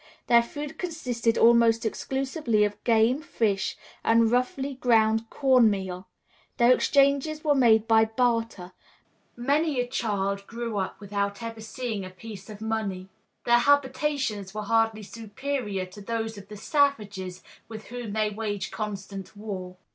Their food consisted almost exclusively of game, fish, and roughly ground corn meal. Their exchanges were made by barter; many a child grew up without ever seeing a piece of money. Their habitations were hardly superior to those of the savages with whom they waged constant war.